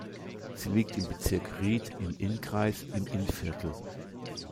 Sie liegt im Bezirk Ried im Innkreis im Innviertel.